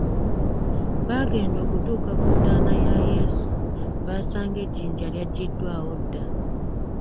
Baagenda okutuuka ku ntaana ya Yesu baasanga ejjinja lyagiddwawo dda.